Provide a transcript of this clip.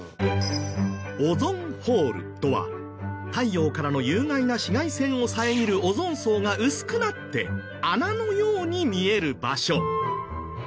オゾンホールとは太陽からの有害な紫外線を遮るオゾン層が薄くなって穴のように見える場所。